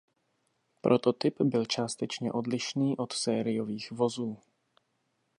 Prototyp byl částečně odlišný od sériových vozů.